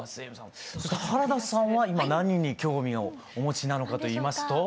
原田さんは今何に興味をお持ちなのかといいますと？